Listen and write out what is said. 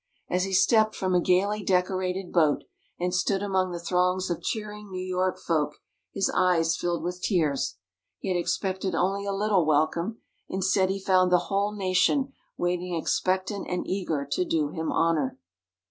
As he stepped from a gayly decorated boat, and stood among the throngs of cheering New York folk, his eyes filled with tears. He had expected only a little welcome; instead he found the whole Nation waiting expectant and eager to do him honour.